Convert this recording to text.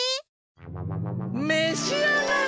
めしあがれ！